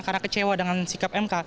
karena kecewa dengan sikap mk